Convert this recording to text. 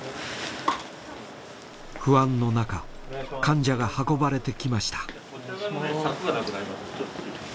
不安の中患者が運ばれてきました。